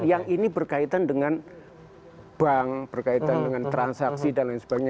yang ini berkaitan dengan bank berkaitan dengan transaksi dan lain sebagainya